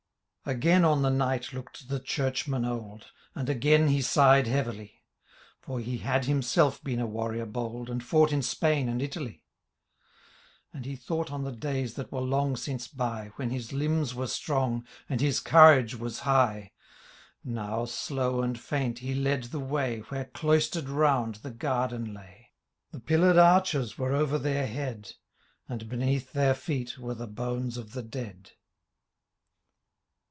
igain on the Knight looked the Churchman old« And again he sighed heavily ; For he had himself been a warrior bold. And fought in Spain and Italy. And he thought on the days that were long since by. When his limbs were strong, and his courage was high :— Now, slow and fiednt, he led the way. Where, cloistered round, the garden lay; fhe pillar'd arches were over their head, And beneath their feet were the bones of the dead.